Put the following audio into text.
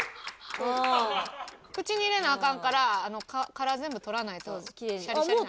口に入れなアカンから殻全部取らないとシャリシャリになる。